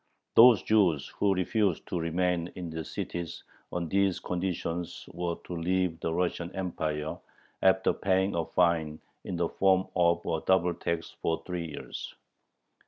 Those Jews who refused to remain in the cities on these conditions were to leave the Russian Empire after paying a fine in the form of a double tax for three years.